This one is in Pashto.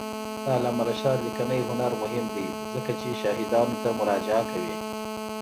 د علامه رشاد لیکنی هنر مهم دی ځکه چې شاهدانو ته مراجعه کوي.